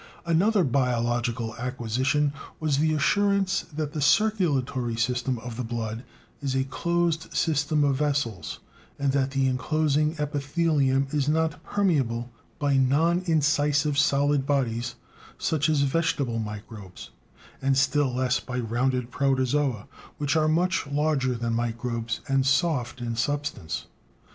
Another biological acquisition was the assurance that the circulatory system of the blood is a closed system of vessels, and that the enclosing epithelium is not permeable by non incisive solid bodies such as vegetable microbes, and still less by rounded protozoa, which are much larger than microbes and soft in substance.